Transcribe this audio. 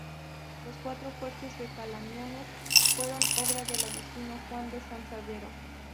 Los cuatro fuertes de Calamianes fueron obra del agustino Juan de San Severo.